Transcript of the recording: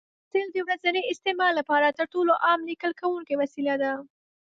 پنسل د ورځني استعمال لپاره تر ټولو عام لیکل کوونکی وسیله ده.